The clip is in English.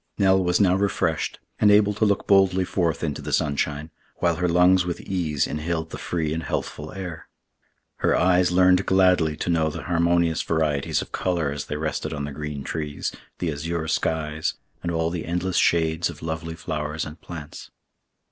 Nell was now refreshed, and able to look boldly forth into the sunshine, while her lungs with ease inhaled the free and healthful air. Her eyes learned gladly to know the harmonious varieties of color as they rested on the green trees, the azure skies, and all the endless shades of lovely flowers and plants.